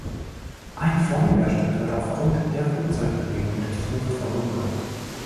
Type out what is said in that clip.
Ein Formwiderstand wird aufgrund der Flugzeugbewegung durch die Luft verursacht.